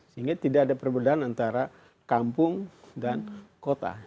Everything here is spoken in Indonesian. sehingga tidak ada perbedaan antara kampung dan kota